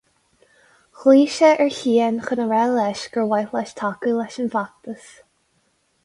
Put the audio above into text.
Ghlaoigh sé ar Chian chun a rá leis gur mhaith leis tacú leis an bhfeachtas.